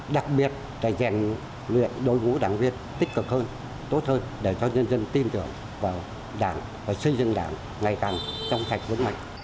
đặc biệt trẻ rèn luyện đội ngũ đảng viên tích cực hơn tốt hơn để cho nhân dân tin tưởng vào đảng và xây dựng đảng ngày càng trong sạch vững mạnh